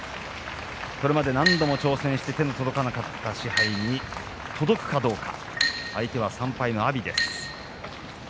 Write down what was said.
これまで何度も挑戦して手が届かなかった賜盃に届くかどうか相手は３敗の阿炎です。